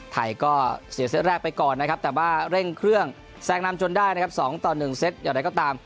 ไทยเสียเซตแรกไปก่อนแต่ว่าเร่งเครื่องแซงน้ำจนได้๒ต่อ๑เซต